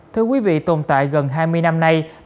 thưa quý vị tồn tại gần hai mươi năm nay